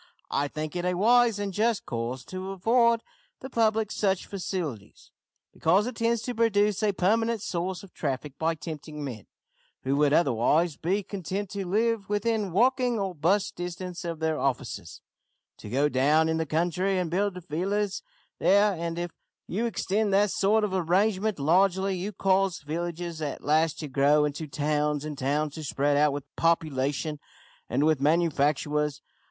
I think it a wise and just course to afford the public such facilities, because it tends to produce a permanent source of traffic by tempting men, who would otherwise be content to live within walking or 'bus distance of their offices, to go down into the country and build villas there, and if you extend that sort of arrangement largely, you cause villages at last to grow into towns, and towns to spread out with population and with manufactures.